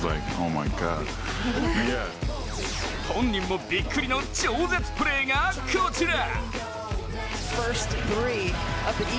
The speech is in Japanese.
本人もびっくりの超絶プレーがこちら。